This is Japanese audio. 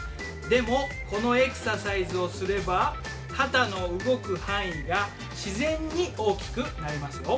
でもこのエクササイズをすれば肩の動く範囲が自然に大きくなりますよ。